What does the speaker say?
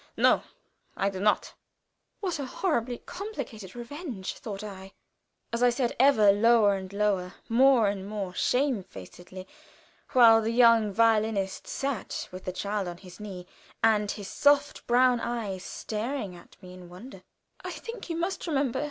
No, I do not." What a horribly complicated revenge! thought I, as I said, ever lower and lower, more and more shamedfacedly, while the young violinist sat with the child on his knee, and his soft brown eyes staring at me in wonder: "I think you must remember.